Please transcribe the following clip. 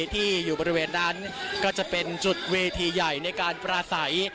ที่อยู่บริเวณนั้นก็จะเป็นจุดเวทีใหญ่ในการปราศัย